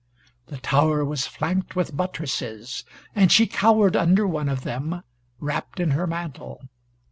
The tower was flanked with buttresses, and she cowered under one of them, wrapped in her mantle.